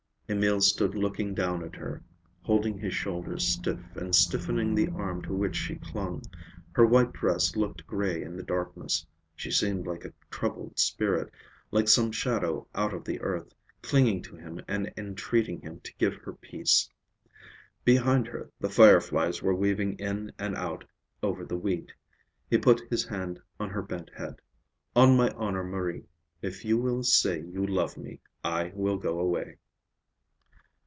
Emil stood looking down at her, holding his shoulders stiff and stiffening the arm to which she clung. Her white dress looked gray in the darkness. She seemed like a troubled spirit, like some shadow out of the earth, clinging to him and entreating him to give her peace. Behind her the fireflies were weaving in and out over the wheat. He put his hand on her bent head. "On my honor, Marie, if you will say you love me, I will go away."